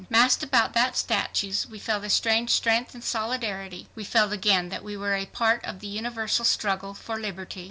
Massed about that statue, we felt a strange strength and solidarity, we felt again that we were a part of the universal struggle for liberty.